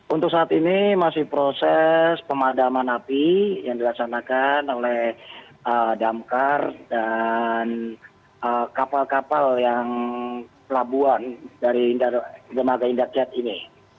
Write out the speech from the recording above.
untuk saat ini masih proses pemadaman api yang dilaksanakan oleh damkar dan kapal kapal yang pelabuhan dari dermaga indah kiat ini